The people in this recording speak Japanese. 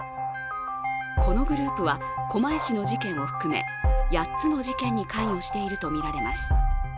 このグループは、狛江市の事件を含め８つの事件に関与しているとみられます。